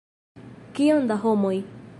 Kiom da homoj!